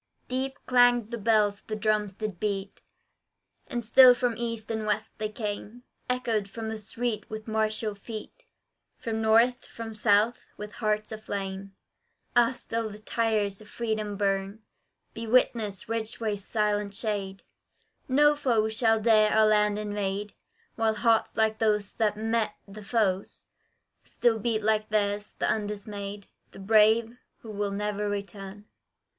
Deep clanged the bells, the drums did beat, And still from east and west they came; Echoed the street with martial feet, From north, from south, with hearts aflame: Ah, still the tires of freedom burn, Be witness, Ridgway's silent shade, No foe shall dare our land invade, While hearts like those that met the foes, Still beat like theirs, the undismayed, The brave, who never will return.